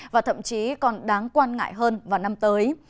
và thậm chí còn đáng quan ngại hơn vào năm tới